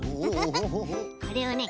これをね